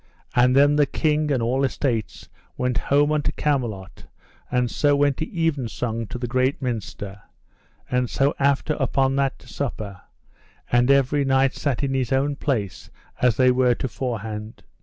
And then the king and all estates went home unto Camelot, and so went to evensong to the great minster, and so after upon that to supper, and every knight sat in his own place as they were toforehand.